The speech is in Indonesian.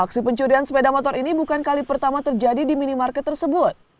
aksi pencurian sepeda motor ini bukan kali pertama terjadi di minimarket tersebut